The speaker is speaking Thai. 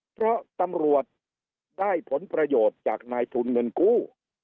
เพราะตำรวจได้ผลประโยชน์จากนายทุนเงินกู้